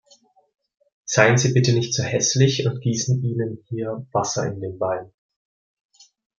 Seien Sie bitte nicht so häßlich und gießen ihnen hier Wasser in den Wein.